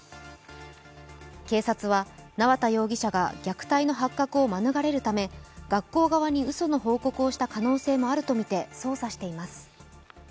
警察は縄田容疑者が虐待の発覚を免れるため、学校側にうその報告をした可能性もあるとみて捜査しています。